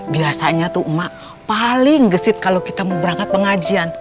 biasanya tuh emak paling gesit kalau kita mau berangkat pengajian